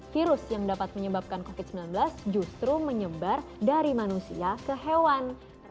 virus yang dapat menyebabkan covid sembilan belas justru menyebar dari manusia ke hewan